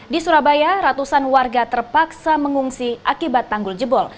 di surabaya ratusan warga terpaksa mengungsi akibat tanggul jebol